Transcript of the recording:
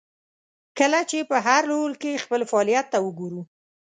کله چې په هر رول کې خپل فعالیت ته وګورو.